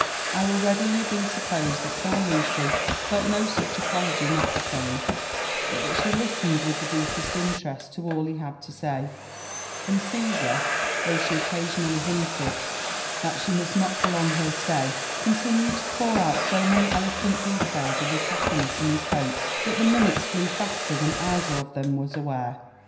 f04 UFB AND ^4DVENT0BS8 OF It will readily be supposed (hat poor Lucy felt no such apology oessary, but that she listened with the deepest interest to all he had to say ; and Caesar, though she occasionally hinted that she must not prolong her stay, continued to pour out so many eloquent details of his happiness and his hopes, that the minutes flow foster than either of them was aware.